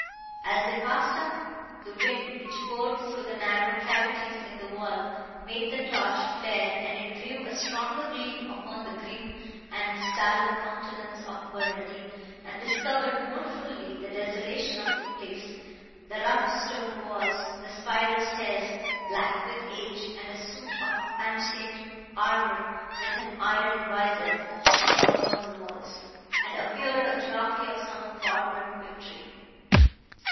As they passed up, the wind, which poured through the narrow cavities in the wall, made the torch flare, and it threw a stronger gleam upon the grim and sallow countenance of Barnardine, and discovered more fully the desolation of the place—the rough stone walls, the spiral stairs, black with age, and a suit of ancient armour, with an iron visor, that hung upon the walls, and appeared a trophy of some former victory.